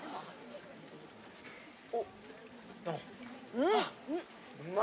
うん！